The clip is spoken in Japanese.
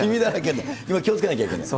でも気をつけなきゃいけない。